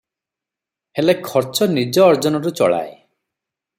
ହେଲେ ଖର୍ଚ୍ଚ ନିଜ ଅର୍ଜନରୁ ଚଳାଏ ।